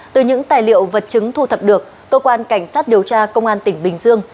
từ những tài liệu vật chứng thu thập được cơ quan cảnh sát điều tra công an tỉnh bình dương